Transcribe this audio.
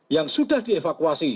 yang sudah dievakuasi